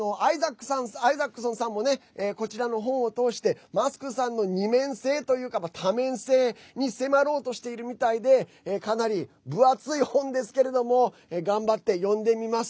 アイザックソンさんもこちらの本を通してマスクさんの二面性というか多面性に迫ろうとしているみたいでかなり分厚い本ですけれども頑張って読んでみます。